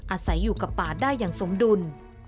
อาศัยอยู่กับป่าได้อย่างสมดุล